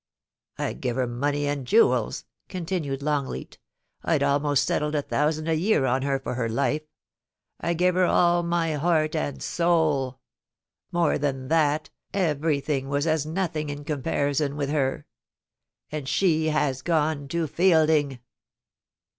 * I gev her money and jewels,* continued Longleat ;' Fd almost settled a thousand a year on her for her life ; I gev her all my heart and soul. More than that, everything was as nothing in comparison with her. ... And she has gone to Fielding.